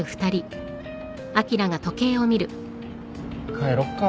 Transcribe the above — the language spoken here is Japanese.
帰ろっか。